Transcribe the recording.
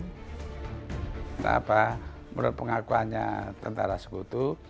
menurut pengakuannya tentara sekutu